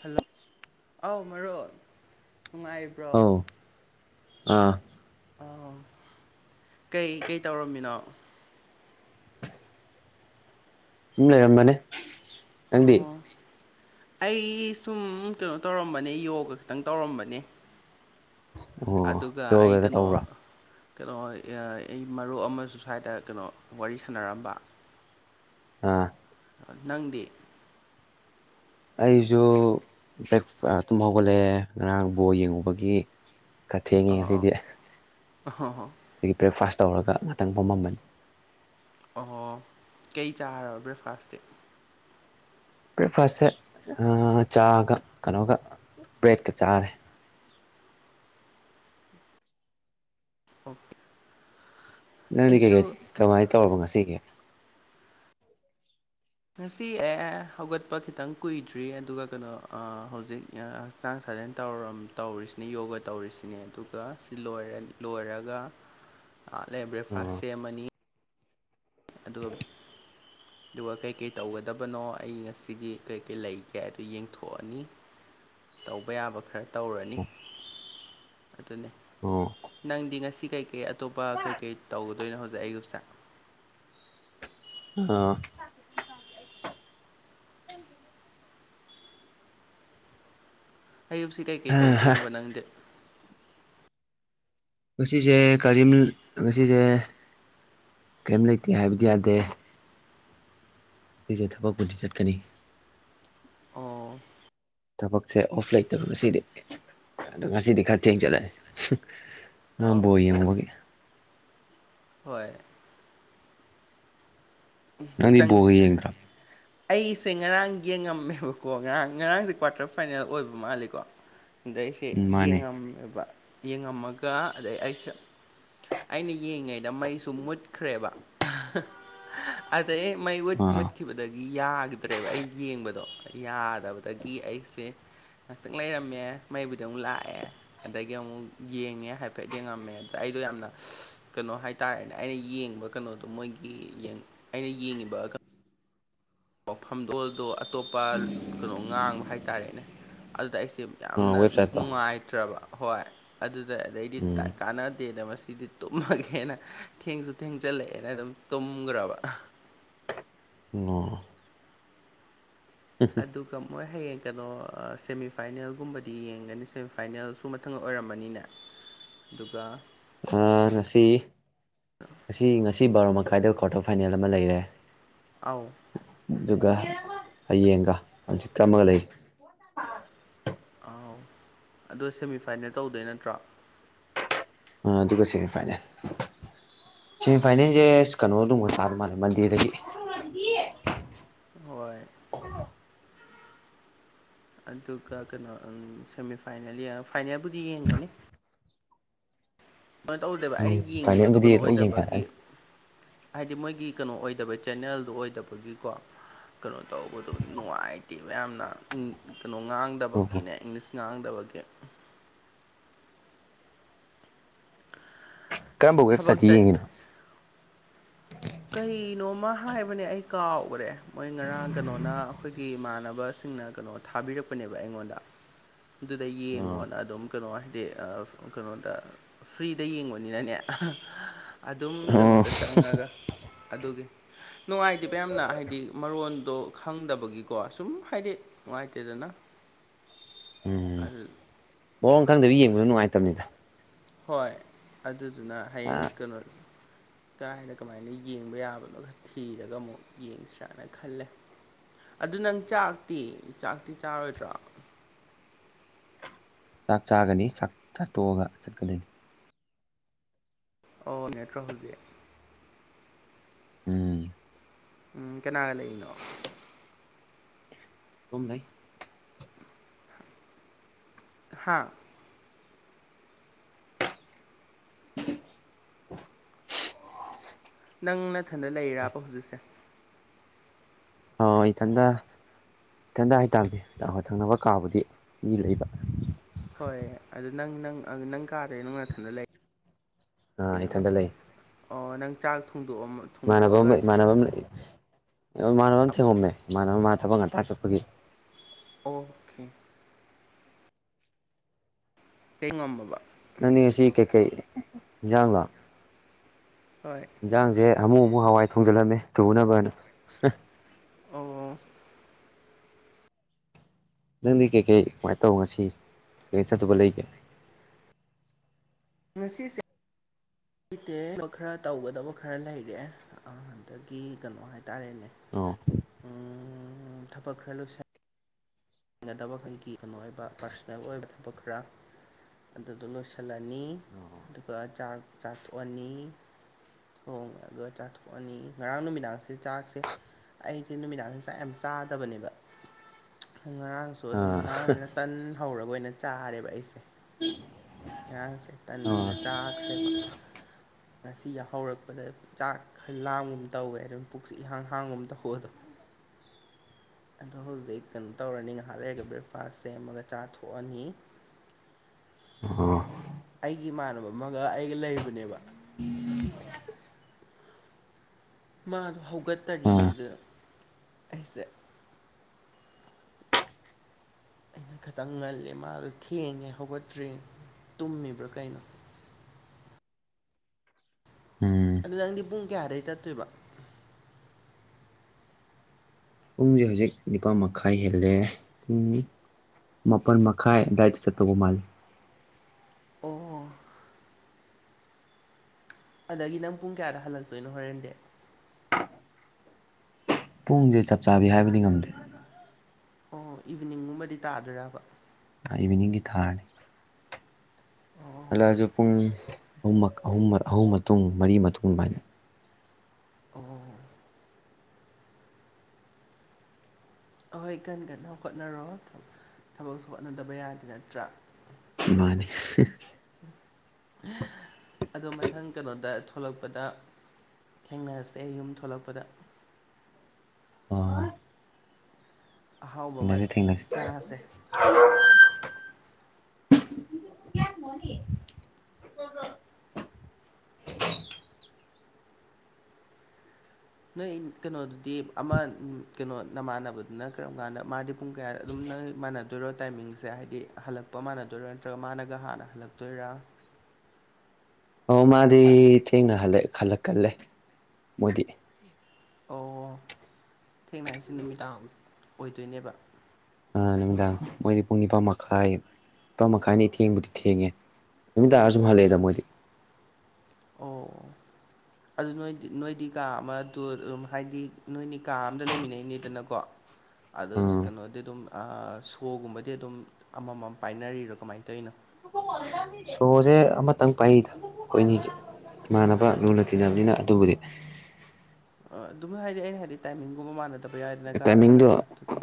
Hello ꯑꯧ ꯃꯔꯣꯞ ꯅꯨꯡꯉꯥꯏꯔꯤꯕ꯭ꯔꯣ ꯑꯧ ꯑꯥ ꯑ ꯀꯩ ꯀꯩ ꯇꯧꯔꯝꯃꯤꯅꯣ ꯁꯨꯝ ꯂꯩꯔꯝꯕꯅꯦ ꯅꯪꯗꯤ ꯑꯣ ꯑꯩ ꯁꯨꯝ ꯀꯩꯅꯣ ꯇꯧꯔꯝꯕꯅꯦ ꯌꯣꯒ ꯈꯤꯇꯪ ꯇꯧꯔꯝꯕꯅꯦ ꯑꯣ ꯑꯗꯨꯒ ꯑꯩ ꯌꯣꯒꯒ ꯀꯩꯅꯣ ꯇꯧꯕ꯭ꯔꯥ ꯀꯩꯅꯣ ꯑꯩ ꯃꯔꯨꯞ ꯑꯃꯁꯨ ꯁ꯭ꯋꯥꯏꯗ ꯀꯩꯅꯣ ꯋꯥꯔꯤ ꯁꯥꯟꯅꯔꯝꯕ ꯑꯥ ꯅꯪꯗꯤ ꯑꯩꯁꯨ ꯕꯦꯞ ꯑ ꯇꯨꯝ ꯍꯧꯒꯠꯂꯛꯑ ꯉꯔꯥꯡ ꯕꯣꯜ ꯌꯦꯡꯉꯨꯕꯒꯤ ꯈꯔ ꯊꯦꯡꯉꯦ ꯑꯥ ꯑꯥ ꯉꯁꯤꯗꯤ ꯍ ꯍꯣꯏ ꯑꯗꯒꯤ ꯕ꯭ꯔꯦꯛꯐꯥꯁ ꯇꯧꯔ ꯉꯥꯛꯇꯪ ꯄꯝꯃꯝꯕꯅꯤ ꯑꯣꯍꫭ ꯀꯩ ꯆꯥꯔꯕ ꯕ꯭ꯔꯦꯛꯐꯥꯁꯇꯤ ꯕ꯭ꯔꯦꯛꯐꯥꯁꯁꯦ ꯑ ꯆꯥꯒ ꯀꯩꯅꯣꯒ ꯕ꯭ꯔꯦꯗꯀ ꯆꯥꯔꯦ ꯑꯣꯀꯦ ꯅꯪꯅꯦ ꯀꯩꯀꯩ ꯀꯃꯥꯏ ꯇꯧꯔꯕꯣ ꯉꯁꯤꯒꯤ ꯉꯁꯤ ꯑꯦ ꯍꯧꯒꯠꯄ ꯈꯤꯇꯪ ꯀꯨꯏꯗ꯭ꯔꯤ ꯑꯗꯨꯒ ꯀꯩꯅꯣ ꯑ ꯍꯧꯖꯤꯛ ꯑ ꯍꯛꯆꯥꯡ ꯁꯥꯖꯦꯜ ꯇꯧꯔꯥꯝ ꯇꯧꯔꯤꯁꯤꯅꯦ ꯌꯣꯒ ꯇꯧꯔꯤꯁꯤꯅꯦ ꯑꯗꯨꯒ ꯁꯤ ꯂꫭꯏꯔꯝ ꯂꯣꯏꯔꯒ ꯑ ꯂꯩ ꯕ꯭ꯔꯦꯛꯐꯥꯁ ꯑꯣ ꯁꯦꯝ ꯃꯅꯤ ꯑꯗꯨꯒ ꯑꯗꯨꯒ ꯀꯩꯀꯩ ꯇꯧꯒꯗꯕꯅꯣ ꯑꯩ ꯉꯁꯤꯗꯤ ꯀꯩꯀꯩ ꯂꯩꯒꯦꯗꯨ ꯌꯦꯡꯊꯣꯛꯑꯅꯤ ꯇꯧꯕ ꯌꯥꯕ ꯈꯔ ꯇꯧꯔꯅꯤ ꯑꯗꯨꯅꯦ ꯑꯣ ꯅꯪꯗꯤ ꯉꯁꯤ ꯀꯩꯀꯩ ꯑꯇꯣꯞꯄ ꯀꯩꯀꯩ ꯇꯧꯒꯗꯣꯏꯅꯣ ꯍꯧꯖꯤꯛ ꯑꯌꯨꯛꯁꯦ ꯑꯥ ꯑꯌꯨꯛꯁꯤ ꯀꯩꯀꯩ ꯇꯧꯗꯣꯏꯅꯣꯕ ꯅꯪꯗꯤ ꯉꯁꯤꯁꯦ ꯀꯔꯤꯝ ꯉꯁꯤꯁꯦ ꯀꯔꯤꯝ ꯂꯩꯇꯦ ꯍꯥꯏꯕꯗꯤ ꯌꯥꯗꯦ ꯁꯤꯁꯦ ꯊꯕꯛꯄꯨꯗꯤ ꯆꯠꯀꯅꯤ ꯑꯣ ꯊꯕꯛꯁꯦ ꯑꯣꯐ ꯂꯩꯇꯕ ꯉꯁꯤꯗꯤ ꯑꯗꯨ ꯉꯁꯤꯗꯤ ꯈꯔ ꯊꯦꯡ ꯆꯠꯂꯅꯤ ꯉꯔꯥꯡ ꯑꯣ ꯕꯣꯜ ꯌꯦꯡꯕꯒꯤ ꯍꯣꯏ ꯎꯝ ꯅꯪꯗꯤ ꯈꯤꯇꯪ ꯎꯝ ꯕꯣꯜꯒ ꯌꯦꯡꯗ꯭ꯔꯣ ꯑꯩꯁꯦ ꯉꯔꯥꯡ ꯌꯦꯡꯉꯝꯃꯦꯕꯀꯣ ꯉꯔꯥꯡ ꯉꯔꯥꯡꯁꯦ ꯀ꯭ꯋꯥꯇꯔ ꯐꯥꯏꯅꯦꯜ ꯑꯣꯏꯕ ꯃꯥꯜꯂꯦꯀꯣ ꯑꯗꯩ ꯑꯩꯁꯦ ꯎꯝ ꯃꯥꯅꯦ ꯌꯦꯡꯉꯝꯃꯦꯕ ꯌꯦꯡꯉꯝꯃꯒ ꯑꯗꯩ ꯑꯩꯁꯦ ꯑꯩꯅ ꯌꯦꯡꯉꯩꯗ ꯃꯩꯁꯨ ꯃꯨꯠꯈ꯭ꯔꯦꯕ ꯑꯩ ꯃꯩꯋꯠ ꯃꯨꯠ ꯑꯥ ꯈꯤꯕꯗꯒꯤ ꯌꯥꯈꯤꯗ꯭ꯔꯦꯕ ꯑ ꯌꯦꯡꯕꯗꯣ ꯌꯥꯗꯕꯗꯒꯤ ꯑꯩꯁꯦ ꯉꯥꯏꯍꯥꯛꯇꯪ ꯂꯩꯔꯝꯃꯦ ꯃꯩꯕꯨꯗ ꯑꯃꯨꯛ ꯂꯥꯛꯑꯦ ꯑꯗꯒꯤ ꯑꯃꯨꯛ ꯌꯦꯡꯉꯦ ꯍꯥꯏꯐꯦꯠ ꯌꯦꯡꯉꯝꯃꯦ ꯑꯗꯨꯗ ꯑꯩꯗꯣ ꯌꯥꯝꯅ ꯀꯩꯅꯣ ꯍꯥꯏ ꯇꯥꯔꯦꯅꯦ ꯑꯩꯅ ꯌꯦꯡꯕ ꯀꯩꯅꯣꯗꯣ ꯃꯣꯏꯒꯤ ꯑꯩꯅ ꯌꯦꯡꯉꯤꯕ ꯃꯐꯝꯗꯣꯜꯗꯣ ꯑꯇꯣꯞꯄ ꯀꯩꯅꯣ ꯉꯥꯡꯕ ꯍꯥꯏꯇꯥꯔꯦꯅꯦ ꯑꯗꯨꯗ ꯑꯩꯁꯦ ꯑꯥ ꯌꯥꯝꯅ ꯋꯦꯕꯁꯥꯏꯠꯇꯣ ꯅꯨꯡꯉꯥꯏꯇ꯭ꯔꯕ ꯍꯣꯏ ꯑꯗꯨꯗ ꯑꯗꯩꯗꯤ ꯎꯝ ꯀꯥꯟꯅꯗꯦꯗ ꯃꯁꯤꯗꯤ ꯇꯨꯝꯃꯒꯦꯅ ꯊꯦꯡꯁꯨ ꯊꯦꯡꯖꯜꯂꯛꯑꯦꯅ ꯑꯗꯨꯝ ꯇꯨꯝꯈ꯭ꯔꯕ ꯑꯣ ꯑꯗꯨ ꯃꯣꯏ ꯍꯌꯦꯡ ꯀꯩꯅꯣ ꯁꯦꯃꯤꯐꯥꯏꯅꯦꯜꯒꯨꯝꯕꯗꯤ ꯌꯦꯡꯒꯅꯤ ꯁꯦꯃꯤꯐꯥꯏꯅꯦꯜꯁꯨ ꯃꯊꯪ ꯑꯣꯏꯔꯃꯅꯤꯅ ꯑꯗꯨꯒ ꯑꯁꯤ ꯑꯁꯤ ꯉꯁꯤ ꯕꯥꯔꯣ ꯃꯈꯥꯏꯗ ꯀ꯭ꯋꯥꯔꯇꯔ ꯐꯥꯏꯅꯦꯜ ꯑꯃ ꯂꯩꯔꯦ ꯑꯥꯎ ꯑꯗꯨꯒ ꯍꯌꯦꯡꯒ ꯍꯪꯆꯤꯠꯀ ꯑꯃꯒ ꯂꯩꯔꯤ ꯑꯧ ꯑꯗꯣ ꯁꯦꯃꯤꯐꯥꯏꯅꯦꯜ ꯇꯧꯗꯣꯏ ꯅꯠꯇ꯭ꯔꯣ ꯑꯗꯨꯒ ꯁꯦꯃꯤ ꯐꯥꯏꯅꯦꯜ ꯁꯦꯃꯤ ꯐꯥꯏꯅꯦꯜꯁꯦ ꯀꯩꯅꯣꯗꯨꯝ ꯑꯣꯏꯣꯏ ꯆꯥꯗ ꯃꯥꯜꯂꯦ ꯃꯟꯗꯤꯔꯗꯒꯤ ꯗ ꯍꯣꯏ ꯑꯗꯨꯒ ꯀꯩꯅꯣ ꯁꯦꯃꯤꯐꯥꯏꯅꯦꯜ ꯐꯥꯏꯅꯦꯜꯕꯨꯗꯤ ꯌꯦꯡꯒꯅꯤ ꯁꯨꯃꯥꯏꯅ ꯇꯧꯗꯦꯕ ꯎꯝ ꯑꯩꯅ ꯌꯦꯡꯉꯤꯕꯗꯨ ꯀꯩꯅꯣ ꯐꯥꯏꯅꯦꯜꯕꯨꯗꯤ ꯂꯣꯏ ꯑꯣꯏꯗꯕꯒꯤ ꯌꯦꯡꯅꯔꯅꯤ ꯍꯥꯏꯗꯤ ꯃꯣꯏꯒꯤ ꯀꯩꯅꯣ ꯑꯣꯏꯗꯕ ꯆꯦꯟꯅꯜꯗꯨ ꯑꯣꯏꯗꯕꯒꯤꯀꯣ ꯀꯩꯅꯣ ꯇꯧꯕꯗꯣ ꯅꯨꯡꯉꯥꯏꯇꯦ ꯃꯌꯥꯝꯅ ꯀꯩꯅꯣ ꯉꯥꯡꯗ ꯎꯝ ꯎꯝ ꯕꯀꯤꯅꯦ ꯏꯪꯁ ꯉꯥꯡꯗꯕꯦ ꯀꯔꯝꯕ ꯊꯕꯛ ꯋꯦꯁꯥꯏꯁꯤ ꯆꯠ ꯌꯦꯡꯉꯅꯣ ꯀꯩꯅꯣꯃ ꯍꯥꯏꯕꯅꯦ ꯑꯩ ꯀꯥꯎꯈ꯭ꯔꯦ ꯃꯣꯏ ꯉꯔꯥꯡ ꯀꯩꯅꯣꯅ ꯑꯩꯈꯣꯏꯒꯤ ꯏꯃꯥꯟꯅꯕꯁꯤꯡꯅ ꯀꯩꯅꯣ ꯊꯥꯕꯤꯔꯛꯄꯅꯦꯕ ꯑꯩꯉꯣꯟꯗ ꯑꯗꯨꯗ ꯑꯥ ꯌꯦꯡꯉꯣꯅ ꯑꯗꯨꯝ ꯀꯩꯅꯣ ꯍꯥꯏꯗꯤ ꯀꯩꯅꯣꯗ ꯐ꯭ꯔꯤꯗ ꯌꯦꯡꯕꯅꯤꯅꯅꯦ ꯑꯗꯨꯝ ꯑꯣ ꯀꯩꯅꯣꯗ ꯆꯪꯉꯒ ꯑꯗꯨꯒꯤ ꯅꯨꯡꯉꯥꯏꯇꯦꯕ ꯌꯥꯝꯅ ꯍꯥꯏꯗꯤ ꯃꯔꯣꯟꯗꯣ ꯈꯪꯗꯕꯒꯤꯀꯣ ꯁꯨꯝ ꯍꯥꯏꯗꯤ ꯅꯨꯡꯉꯥꯏꯇꯦꯗꯅ ꯑꯗꯨ ꯃꯑꯣꯣꯡ ꯈꯪꯗꯕ ꯌꯦꯡꯕꯗ ꯅꯨꯡꯉꯥꯏꯇꯕꯅꯤꯗ ꯍꯣꯏ ꯑꯗꯨꯗꯨꯅ ꯍꯌꯦꯡ ꯑꯥ ꯀꯩꯅꯣ ꯀꯔꯥꯏꯗ ꯀꯃꯥꯏꯅ ꯌꯦꯡꯕ ꯌꯥꯕꯅꯣ ꯈꯛ ꯊꯤꯔꯒ ꯑꯃꯨꯛ ꯌꯦꯡꯁꯤꯔꯥꯅ ꯈꯜꯂꯦ ꯑꯗꯨ ꯅꯪ ꯆꯥꯛꯇꯤ ꯆꯥꯛꯇꯤ ꯆꯥꯔꯣꯏꯗ꯭ꯔꯣ ꯆꯥꯛ ꯆꯥꯒꯅꯤ ꯆꯥꯛ ꯊꯥ ꯇꯣꯛꯑꯒ ꯆꯠꯀꯗꯣꯏꯅꯤ ꯑꯣ ꯅꯦꯠꯇ꯭ꯔꯥ ꯍꯜꯖꯤꯦ ꯎꯝ ꯎꯝ ꯀꯅꯥꯒ ꯂꯩꯔꯤꯅꯣ ꯀꯣꯝ ꯂꯩ ꯍꯥꯥ [unintelligible] ꯅꯪ ꯅꯊꯟꯗ ꯂꯩꯔꯕ ꯍꯧꯖꯤꯛꯁꯦ ꯑ ꯏꯊꯟꯗ ꯏꯊꯟꯗ ꯍꯥꯏꯇꯥꯔꯗꯤꯥꯛ ꯊꯪꯅꯕ ꯀꯥꯕꯨꯗꯤ ꯃꯤ ꯂꯩꯕ ꯍꯣꯏ ꯑꯗꯨ ꯅꯪ ꯅꯪ ꯀꯥꯗꯩ ꯅꯪ ꯅꯥꯊꯟꯗ ꯂꯩ ꯑꯥ ꯏꯊꯟꯇ ꯂꯩ ꯑꯣ ꯅꯪ ꯆꯥꯛ ꯊꯣꯡꯗꯣꯛꯑꯃ ꯏꯃꯥꯟꯅꯕ ꯑꯃ ꯏꯃꯥꯟꯅꯕ ꯑꯃ ꯏꯃꯥꯟꯅꯕ ꯑꯃ ꯊꯦꯡꯉꯝꯃꯦ ꯏꯃꯥꯟꯅꯕ ꯃꯥꯅ ꯊꯕꯛ ꯉꯥꯛꯇꯥꯛ ꯆꯠꯄꯒꯤ ꯑꯣ ꯄꯦꯡꯉꯣꯝꯕꯕ ꯅꯪꯗꯤ ꯉꯁꯤ ꯀꯩꯀꯩ ꯏꯟꯖꯥꯡꯗꯣ ꯍꯣꯏ ꯌꯦꯟꯖꯥꯡꯁꯦ ꯑꯃꯨꯛ ꯑꯃꯨꯛ ꯍꯋꯥꯏ ꯊꯣꯡꯖꯤꯜꯂꯝꯃꯦ ꯊꯨꯅꯕꯅ ꯑꯣ ꯅꯪꯗꯤ ꯀꯩꯀꯩ ꯀꯃꯥꯏꯅ ꯇꯧ ꯉꯁꯤ ꯀꯩꯀꯩ ꯆꯠꯇꯕ ꯂꯩꯒꯦ꯫ ꯉꯅꯨꯡꯁꯤꯁꯤ ꯂꯩꯇꯦ ꯊꯕ ꯈꯔ ꯇꯧꯒꯗꯕ ꯈꯔ ꯂꯩꯔꯦꯗꯒꯤ ꯀꯩꯅꯣ ꯍꯥꯏꯇꯥꯔꯦꯅꯦ꯫ ꯑꯣ ꯎꯝ ꯊꯕꯛ ꯈꯂꯥꯛ ꯍꯤꯡꯒꯗꯕꯈꯩꯒꯤ ꯀꯩꯅꯣ ꯑꯣꯏꯕ ꯄꯥꯔꯁꯣꯅꯦꯜ ꯑꯣꯏꯕ ꯊꯕꯛ ꯈꯔ ꯑꯗꯨꯗꯣ ꯂꯣꯏꯁꯤꯟ ꯊꯜꯂꯅꯤ ꯑꯗꯨꯒ ꯆꯥꯛ ꯆꯥꯊꯣꯛꯑꯅꯤ꯫ ꯊꯣꯡꯉꯒ ꯆꯥꯊꯣꯛꯑꯅꯤ ꯉꯔꯥꯡ ꯅꯨꯃꯤꯗꯥꯡꯁꯦ ꯆꯥꯛꯁꯦ꯫ ꯑꯩꯁꯦ ꯅꯨꯃꯤꯗꯥꯡ ꯆꯥꯛ ꯌꯥꯝ ꯆꯥꯗꯕꯅꯦꯕ꯫ ꯉꯔꯥꯡꯁꯨ ꯑꯗꯨꯝ ꯑꯥ ꯉꯔꯥꯡꯁꯤꯅ ꯇꯟ ꯍꯧꯔꯒ ꯑꯣꯏꯅ ꯆꯥꯔꯦꯕ ꯑꯩꯁꯦ꯫ ꯉꯔꯥꯡꯁꯦ ꯇꯟ ꯑꯣꯏꯅ ꯆꯥꯈ꯭ꯔꯦꯕ ꯉꯁꯤ ꯌꯥ ꯍꯧꯧꯔꯛꯄꯗ ꯆꯥꯛ ꯈꯔ ꯂꯥꯡꯒꯨꯝ ꯇꯧꯋꯦ ꯑꯗꯨꯝ ꯄꯨꯛꯁ ꯏꯍꯥꯡ ꯍꯥꯡꯒꯨꯝ ꯇꯧꯕꯑꯗꯨꯣ꯫ ꯑꯗꯣ ꯍꯧꯖꯤꯛ ꯀꯩꯅꯣ ꯇꯧꯔꯅꯤ ꯉꯥꯏꯍꯥꯛ ꯂꯩꯔꯒ ꯕ꯭ꯔꯦꯛꯐꯥꯁ ꯁꯦꯝꯃꯒ ꯆꯥꯊꯣꯛꯑꯅꯤ꯫ ꯑꯣ ꯑꯥ ꯑꯩꯒꯤ ꯏꯃꯥꯟꯅꯕ ꯑꯃꯒ ꯑꯩꯒ ꯂꯩꯕꯅꯦꯕ ꯎꯝ ꯃꯥꯗꯣ ꯍꯧꯒꯠꯇꯔꯤꯌꯦ ꯑꯗꯨꯅ ꯑꯩꯁꯦ꯫ ꯑꯩꯅ ꯈꯤꯇꯪ ꯉꯜꯂꯦ ꯃꯥꯗꯣ ꯊꯦꯡꯉꯦ ꯍꯧꯒꯠꯇ꯭ꯔꯦ ꯇꯨꯝꯃꯤꯕ꯭ꯔꯥ ꯀꯩꯅꯣ ꯎꯝ ꯑꯗꯨ ꯅꯪꯗꯤ ꯄꯨꯡ ꯀꯌꯥꯗꯩ ꯆꯠꯇꯣꯏꯕ ꯄꯨꯡꯁꯦ ꯍꯧꯖꯤꯛ ꯅꯤꯄꯥꯥꯟ ꯃꯈꯥꯏ ꯍꯦꯜꯂꯦ ꯄꯨꯡ ꯃꯥꯄꯜ ꯃꯈꯥꯏ ꯑꯗꯨꯗꯥꯋꯥꯏꯗ ꯆꯠꯠꯇꯧꯕ ꯃꯥꯜꯂꯤ꯫ ꯑꯣ ꯑꯣ ꯑꯗꯒꯤ ꯅꯪ ꯄꯨꯡ ꯀꯌꯥꯗ ꯍꯜꯂꯛꯇꯣꯏꯅꯣ ꯍꯣꯔꯦꯟꯗꯦ꯫ ꯄꯨꯡꯁꯦ ꯆꯞ ꯆꯥꯕꯤ ꯍꯥꯏꯕꯗꯤ ꯉꯝꯗꯦ꯫ ꯑꯣ ꯏꯚꯤꯅꯤꯡꯒꯨꯝꯕꯗꯤ ꯇꯥꯗꯣꯏꯕ ꯏꯚꯅꯤꯡꯒꯤ ꯊꯥꯔꯅꯦ꯫ ꯑꯣ ꯍꯜꯂꯛꯑꯁꯨ ꯄꯨꯡ ꯑꯍꯨꯝ ꯑꯍꯨꯝ ꯑꯍꯨꯝ ꯃꯇꯨꯡ ꯃꯔꯤ ꯃꯇꯨꯡ ꯑꯗꯨꯃꯥꯏꯅ ꯑꯣ ꯑꯍꯣꯏ ꯀꯟꯅ ꯀꯟꯅ ꯍꯣꯠꯅꯔꯣ ꯊꯕꯛꯁꯨ ꯍꯣꯠꯅꯗꯕ ꯌꯥꯗꯦ ꯅꯠꯇ꯭ꯔꯥ ꯃꯥꯅꯦ꯫ ꯑꯣ ꯃꯊꯪ ꯀꯩꯅꯣꯗ ꯊꯣꯛꯂꯛꯄꯗ ꯊꯦꯡꯅꯔꯁꯦ ꯑꯩ ꯌꯨꯝ ꯊꯣꯛꯂꯛꯄꯗ ꯑꯣ ꯑꯍꯥꯎꯕ ꯑꯃ ꯊꯦꯡꯅꯁꯤ ꯊꯦꯡꯅꯁꯤ꯫ ꯆꯥꯁꯦ ꯅꯣꯏ ꯀꯩꯅꯣꯗꯨꯗꯤ ꯑꯃ ꯀꯩꯅꯣ ꯅꯃꯥꯟꯅꯕꯗꯨꯅ ꯀꯔꯝ ꯀꯥꯟꯗ ꯃꯥꯗꯤ꯫ ꯄꯨꯡ ꯀꯌꯥ ꯑꯗꯨꯝꯅ ꯃꯥꯟꯅꯗ ꯍꯠꯇꯣꯏꯔꯣ ꯇꯥꯏꯃꯤꯡꯁꯦ ꯍꯥꯏꯗꯤ ꯍꯜꯂꯛꯄ ꯃꯥꯟꯅꯗꯣꯏꯔꯥ ꯅꯠꯇ꯭ꯔꯒ ꯃꯥꯅꯒ ꯍꯥꯟꯅ ꯍꯜꯂꯛꯇꯣꯏꯔꯥ ꯑꯣ ꯃꯥꯗꯤ ꯊꯦꯡꯅꯜꯂ ꯈꯜꯂꯛꯀꯜꯂꯦ ꯃꯣꯏꯗꯤ꯫ ꯑꯣ ꯊꯦꯡꯅ ꯍꯥꯏꯁꯤ ꯅꯨꯃꯤꯗꯥꯡ ꯑꯣꯏꯗꯣꯏꯅꯦꯕ꯫ ꯅꯨꯃꯤꯗꯥꯡ ꯃꯣꯏꯗꯤ ꯄꯨꯡ ꯅꯤꯄꯥꯟ ꯃꯈꯥꯏ ꯅꯤꯄꯥ ꯃꯈꯥꯏ ꯑꯅꯤ ꯊꯦꯡꯕꯗꯤ ꯊꯦꯡꯉꯦ꯫ ꯎꯝ ꯅꯨꯃꯤꯗꯥꯡꯔꯁꯨ ꯍꯜꯂꯛꯦꯗ ꯃꯣꯏꯗꯤ꯫ ꯑꯣ ꯑꯗꯨ ꯅꯣꯏꯗꯤ ꯅꯣꯏꯗꯤ ꯀꯥ ꯑꯃꯗ ꯑꯗꯨꯝ ꯍꯥꯏꯗꯤ ꯅꯣꯏꯗꯤ ꯀꯥ ꯑꯝꯗ ꯂꯩꯃꯤꯟꯅꯩꯅꯦꯗꯅꯀꯣ꯫ [inaudible] ꯑꯗ ꯎꯝ ꯀꯩꯅꯣꯗꯤ ꯑꯗꯨꯝ ꯁꯣꯒꯨꯝꯕꯗꯤ ꯑꯗꯨꯝ ꯑꯃꯃꯝ ꯄꯥꯏꯅꯔꯤꯔꯣ ꯀꯃꯥꯏꯅ ꯇꯧꯔꯤꯅꯣ ꯁꯣꯁꯦ ꯑꯃꯇꯪ ꯄꯥꯏꯗ ꯑꯩꯈꯣꯏꯅꯤꯒꯤ꯫ ꯏꯃꯥꯟꯅꯕ ꯑꯣ ꯂꯨꯅ ꯇꯤꯟꯅꯅꯕꯅꯤꯅ ꯑꯗꯨꯕꯨꯗꯤ꯫ ꯑ ꯑꯗꯨꯝ ꯍꯥꯏꯗꯤ ꯑꯩꯅ ꯍꯥꯏꯗꯤ ꯇꯥꯏꯃꯤꯡꯒꯨꯝꯕ ꯃꯥꯟꯅꯗꯕ ꯌꯥꯏꯦꯗꯅ ꯀꯥꯗ ꯍꯜꯂꯛꯄ ꯑꯗꯨꯒꯤ꯫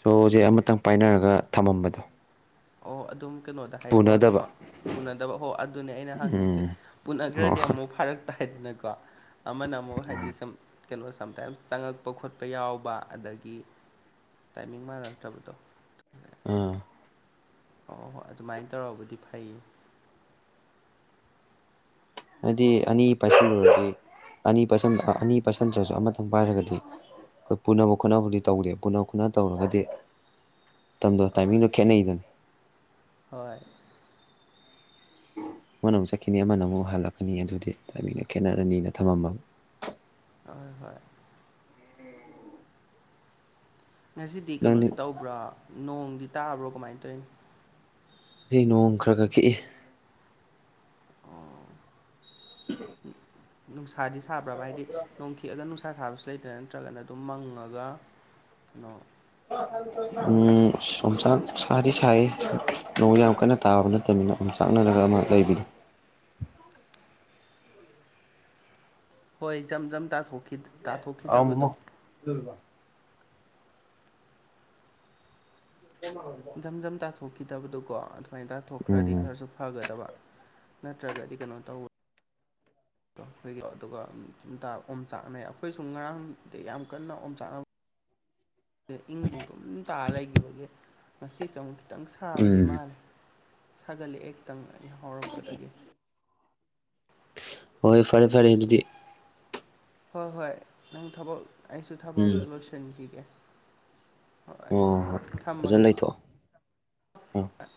ꯁꯣꯖꯦ ꯑꯃꯇꯪ ꯄꯥꯏꯅꯔꯒ ꯊꯝꯃꯝꯕꯗꯣ꯫ ꯑꯣ ꯑꯗꯨꯝ ꯀꯩꯅꯣꯗ꯫ ꯄꯨꯅꯗꯕ ꯄꯨꯅꯗꯕ ꯍꯣ ꯑꯗꯨꯅꯦ ꯑꯩꯅ ꯍꯪꯉꯤꯁꯦ ꯎꯝ ꯑꯣ ꯄꯨꯅꯈ꯭ꯔꯗꯤ ꯑꯃꯨꯛ ꯐꯔꯛ꯫ ꯍꯥꯏꯗꯅꯀꯣ ꯑꯃꯅ ꯑꯃꯨꯛ ꯍꯥꯏꯗꯤ ꯁꯨꯝ꯫ ꯀꯩꯅꯣ ꯁꯝꯇꯥꯏꯝꯁ ꯆꯪꯉꯛꯄ ꯈꯣꯠꯄ ꯌꯥꯎꯕ ꯑꯗꯒꯤ ꯇꯥꯏꯃꯤꯡ ꯃꯥꯟꯅꯛꯇ꯭ꯔꯕꯗꯣ꯫ ꯑꯥ꯫ ꯍꯣꯏ ꯍꯣꯏ ꯑꯗꯨꯃꯥꯏꯅ ꯇꯧꯔꯕꯨꯗꯤ ꯐꯩꯌꯦ꯫ ꯑꯗꯨꯗꯤ ꯑꯅꯤ ꯄꯥꯏꯁꯤꯜꯂꯨꯔꯗꯤ ꯑꯅꯤ ꯄꯥꯏꯁꯟ ꯑꯅꯤ ꯄꯥꯏꯁꯟꯗ꯭ꯔꯁꯨ ꯑꯃꯇꯪ ꯄꯥꯏꯔꯒꯗꯤ꯫ ꯑꯩꯈꯣꯏ ꯄꯨꯅꯕ ꯈꯣꯠꯅꯕꯗꯤ ꯇꯧꯗꯦ ꯄꯨꯅ ꯈꯣꯠꯅꯕ ꯇꯧꯔꯒꯗꯤ ꯃꯇꯝꯗꯣ ꯍꯣꯏ ꯇꯥꯏꯃꯤꯡꯗꯣ ꯈꯦꯠꯅꯩꯗꯅ꯫ ꯍꯣꯏ꯫ ꯑꯃꯅ ꯑꯃꯨꯛ ꯆꯠꯈꯤꯅꯤ ꯑꯃꯅ ꯑꯃꯨꯛ ꯍꯜꯂꯛꯀꯅꯤ ꯑꯗꯨꯗꯤ ꯇꯥꯏꯃꯤꯡꯅ ꯈꯦꯠꯅꯔꯅꯤꯅ ꯊꯝꯃꯝꯃꯕꯅꯤ꯫ ꯍꯣꯏ ꯍꯣꯏ꯫ ꯉꯁꯤꯗꯤ ꯅꯪꯗꯤ ꯀꯩꯅꯣꯗꯤ ꯇꯧꯕ꯭ꯔꯥ ꯅꯣꯡꯗꯤ ꯇꯥꯕ꯭ꯔꯣ ꯀꯃꯥꯏꯅ ꯇꯧꯔꯤꯅꫭ꯫ ꯉꯁꯤ ꯅꯣꯡ ꯈꯔꯒ ꯈꯤꯛꯏ꯫ ꯑꯣ [inaudible] ꯅꯨꯡꯁꯥꯗꯤ ꯁꯥꯕ꯭ꯔꯕ ꯍꯥꯏꯗꯤ ꯅꯣꯡ꯫ ꯊꯦꯛꯑꯒ ꯅꯨꯡꯁꯥ ꯊꯥꯕꯁꯨ ꯂꯩꯇꯅꯥ ꯅꯠꯇ꯭ꯔꯒꯅ ꯑꯗꯨꯝ ꯃꯪꯉꯒ ꯀꯩꯅꯣ꯫ ꯆꯣꯡꯆꯥꯛ ꯁꯥꯗꯤ ꯁꯥꯏꯌꯦ ꯅꯣꯡ ꯌꯥꯝ ꯀꯟꯅ ꯇꯥꯕ ꯅꯠꯇꯕꯅꯤꯅ꯫ ꯑꯣꯝ ꯆꯥꯛꯅꯔꯒ ꯑꯃ ꯂꯩꯕꯗꫭ꯫ ꯍꯣꯏ ꯏꯆꯝ ꯖꯝ ꯇꯥꯊꯣꯛꯈꯤꯗꯕꯗꯣ꯫ ꯑꯗꯨ꯫ [unintelligible] ꯖꯝ ꯖꯝ ꯇꯥꯊꯣꯛꯈꯤꯗꯕꯗꯨꯀꯣ ꯑꯗꯨꯃꯥꯏꯅ ꯇꯥꯊꯣꯛꯈ꯭ꯔꯗꯤ ꯎꯝ ꯎꯝ ꯈꯔꯁꯨ꯫ ꯐꯒꯗꯕ ꯅꯠꯇ꯭ꯔꯒꯗꯤ ꯀꯩꯅꯣ ꯇꯧꯕ꯫ ꯈꯣ ꯑꯗꯨꯒ ꯁꯨꯝ ꯑꯣꯝ ꯆꯥꯛꯅꯩ ꯑꯩꯈꯣꯏꯁꯨ ꯉꯔꯥꯡꯗꯤ ꯌꯥꯝ ꯀꯟꯅ ꯑꯣꯝ ꯆꯥꯛꯅꯕ꯫ ꯏꯡ [unintelligible] ꯇꯥꯂꯩꯏꯒꯤꯕꯒꯤ ꯉꯁꯤ ꯁ‌ꯦ꯫ ꯈꯤꯇꯪ ꯁꯥꯕꯗꯤ ꯎꯝ ꯃꯥꯜꯂꯦ ꯁꯥꯒꯠꯂꯛꯑꯦ ꯈꯤꯇꯪ ꯍꯧꯔꯛꯄꯗꯒꯤ꯫ ꯍꯣꯏ ꯐꯔꯦ ꯐꯔꯦ ꯑꯗꯨꯗꯤ꯫ ꯍꯣꯏ ꯍꯣꯏ ꯅꯪ ꯊꯕꯛ ꯑꯩꯁꯨ ꯊꯕꯛ ꯎꯝ ꯑꯝꯇ ꯂꯣꯏꯁꯤꯟꯈꯤꯒꯦ꯫ ꯍꯣꯏ ꯑꯣ ꯍꯣꯏ ꯐꯖꯅ ꯂꯩꯊꯣꯛꯑꯣ꯫ ꯑ ꯑꯥ꯫